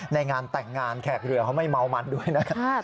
ในงานแต่งงานแขกเรือเขาไม่เมามันด้วยนะครับ